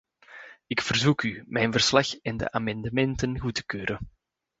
Ik verzoek u mijn verslag en de amendementen goed te keuren.